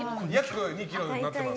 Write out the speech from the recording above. それが約２ｋｇになってます。